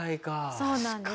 そうなんです。